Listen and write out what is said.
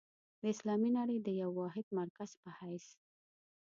د اسلامي نړۍ د یوه واحد مرکز په حیث.